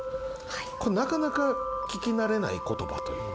これなかなか聞き慣れない言葉というか。